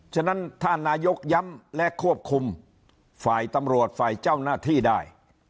ฉะนั้นถ้านายกย้ำและควบคุมฝ่ายตำรวจฝ่ายเจ้าหน้าที่ได้